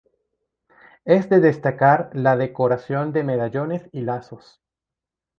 Es de destacar la decoración de medallones y lazos.